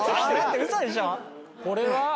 これは？